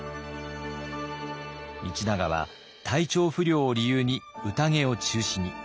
道長は体調不良を理由に宴を中止に。